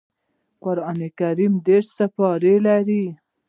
قران کريم دېرش سپاري لري